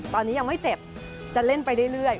ตอนนี้ยังไม่เจ็บจะเล่นไปเรื่อย